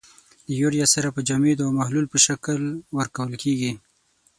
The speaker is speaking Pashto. د یوریا سره په جامدو او محلول په شکل ورکول کیږي.